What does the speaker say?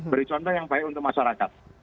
beri contoh yang baik untuk masyarakat